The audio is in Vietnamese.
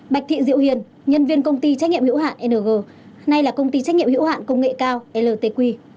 bạch thị diệu hiền nhân viên công ty trách nhiệm hiệu hạn ng nay là công ty trách nhiệm hiệu hạn công nghệ cao ltq